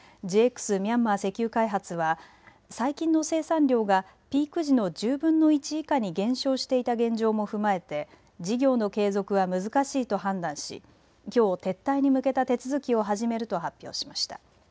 ミャンマー石油開発は最近の生産量がピーク次の１０分の１以下に減少していた現状も踏まえて、事業の継続は難しいと判断し、きょう撤退に向けた手続きを始めると発表しました。